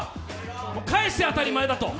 返して当たり前だと。